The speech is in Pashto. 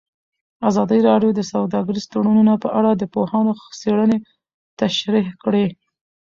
ازادي راډیو د سوداګریز تړونونه په اړه د پوهانو څېړنې تشریح کړې.